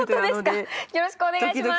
よろしくお願いします。